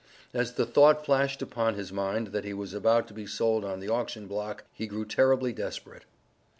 As the thought flashed upon his mind that he was about to be sold on the auction block, he grew terribly desperate.